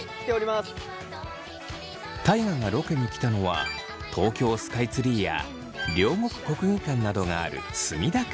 大我がロケに来たのは東京スカイツリーや両国国技館などがある墨田区。